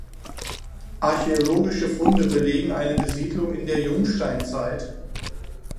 Archäologische Funde belegen eine Besiedlung in der Jungsteinzeit.